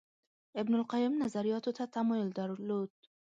ابن القیم نظریاتو ته تمایل درلود